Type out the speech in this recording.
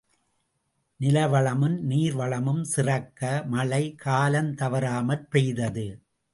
நிலவளமும் நீர்வளமும் சிறக்க, மழை காலந்தவறாமற் பெய்தது.